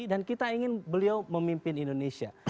dan kita ingin beliau memimpin indonesia